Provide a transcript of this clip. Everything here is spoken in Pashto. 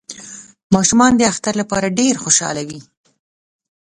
ماشومان د اختر لپاره ډیر خوشحاله وی